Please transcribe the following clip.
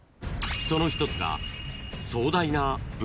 ［その一つが］